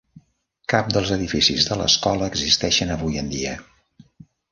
Cap dels edificis de l'escola existeixen avui en dia.